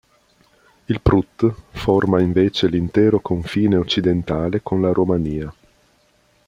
Il Prut forma invece l'intero confine occidentale con la Romania.